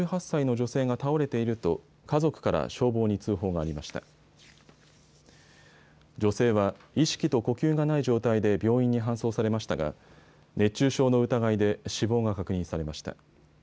女性は意識と呼吸がない状態で病院に搬送されましたが熱中症の疑いで死亡が確認されました。